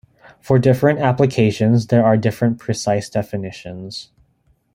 For different applications there are different precise definitions.